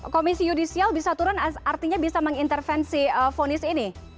komisi yudisial bisa turun artinya bisa mengintervensi fonis ini